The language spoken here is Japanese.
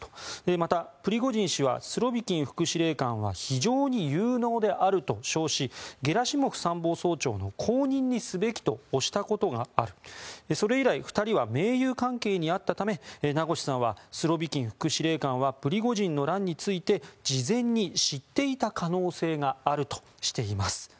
また、プリゴジン氏はスロビキン副司令官は非常に有能であると評しゲラシモフ参謀総長の後任にすべきと推したことがあるそれ以来、２人は盟友関係にあったため名越さんはスロビキン副司令官はプリゴジンの乱について事前に知っていた可能性があるとしています。